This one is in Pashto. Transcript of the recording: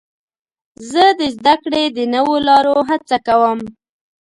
زه د زدهکړې د نوو لارو هڅه کوم.